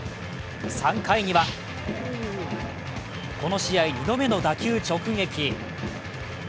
３回にはこの試合２度目の打球直撃。